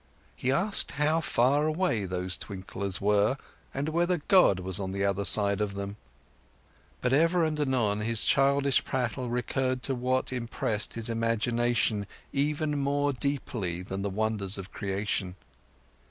He asked how far away those twinklers were, and whether God was on the other side of them. But ever and anon his childish prattle recurred to what impressed his imagination even more deeply than the wonders of creation.